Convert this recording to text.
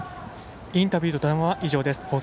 インタビューと談話は以上です。